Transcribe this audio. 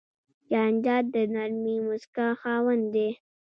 جانداد د نرمې موسکا خاوند دی.